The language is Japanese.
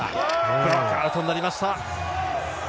ブロックアウトになりました。